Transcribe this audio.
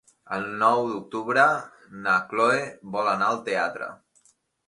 El nou d'octubre na Chloé vol anar al teatre.